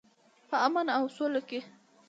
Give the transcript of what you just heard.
په امن او سوله کې.